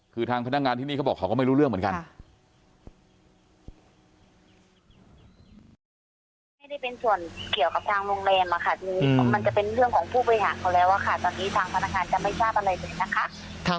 คือทางพนักงานที่นี่เขาบอกเขาก็ไม่รู้เรื่องเหมือนกัน